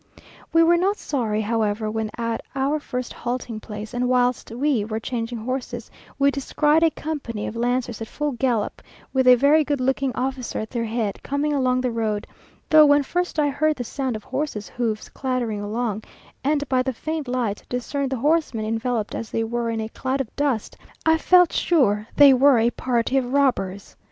We were not sorry, however, when at our first halting place, and whilst we, were changing horses, we descried a company of lancers at full gallop, with a very good looking officer at their head, coming along the road; though when first I heard the sound of horses' hoofs, clattering along, and, by the faint light, discerned the horsemen enveloped as they were in a cloud of dust, I felt sure that they were a party of robbers.